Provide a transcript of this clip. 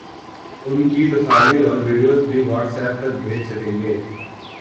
اُن کی تصاویر اور ویڈیوز بھی واٹس ایپ پر بھیج سکیں گے